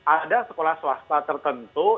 ada sekolah swasta tertentu